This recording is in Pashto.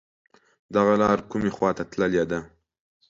دغه لار کوم خواته تللی